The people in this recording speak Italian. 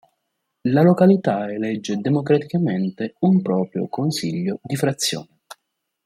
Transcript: La località elegge democraticamente un proprio Consiglio di Frazione.